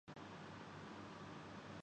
وہاں معاشرے میں ایک خلیج بہت عمیق ہے